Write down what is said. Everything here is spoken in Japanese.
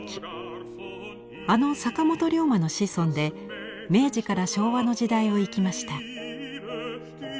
あの坂本龍馬の子孫で明治から昭和の時代を生きました。